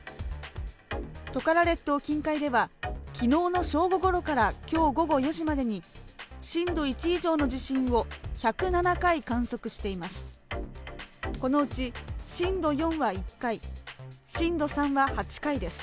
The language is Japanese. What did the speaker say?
トカラ列島近海では、きのうの正午ごろからきょう午後４時までに、震度１以上の地震を１０７回観測しています。